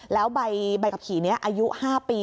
แล้วใบขับขี่นี้อายุ๕ปี